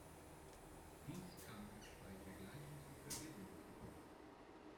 Dies kann bei Vergleichen zu Verwirrung führen.